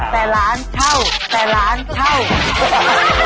แต่หลานเช่าแต่หลานเช่า